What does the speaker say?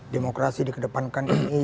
demokrasi dikedepankan ini